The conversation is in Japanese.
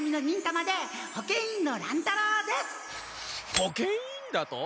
保健委員だと？